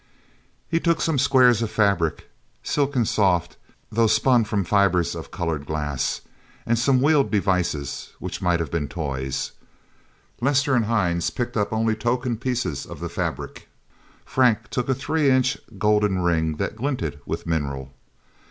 He took some squares of fabric, silken soft, though spun from fibre of colored glass. And some wheeled devices, which might have been toys. Lester and Hines picked up only token pieces of the fabric. Frank took a three inch golden ring that glinted with mineral.